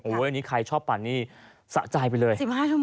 โอ้โฮใครชอบปั่นนี่สะใจไปเลย